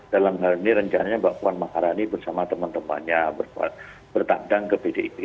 dalam hal ini rencananya mbak puan maharani bersama teman temannya bertandang ke pdip